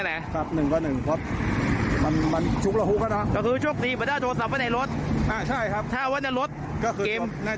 ถ้าเอาไว้ในรถเกมถ่าเอาไว้ในรถเกมเลย